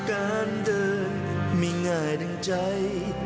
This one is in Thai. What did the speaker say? การเดินไม่ง่ายดังใจ